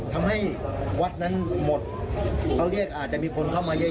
ทำให้วัดนั้นหมดเขาเรียกอาจจะมีคนเข้ามาเยอะ